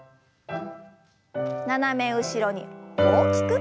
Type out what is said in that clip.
斜め後ろに大きく。